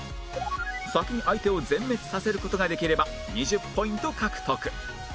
先に相手を全滅させる事ができれば２０ポイント獲得